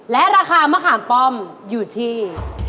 และราคามะขามป้อมอยู่ที่